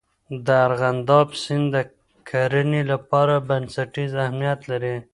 دارغنداب سیند د کرنې لپاره بنسټیز اهمیت لري.